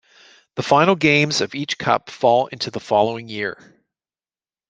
The final games of each Cup fall into the following year.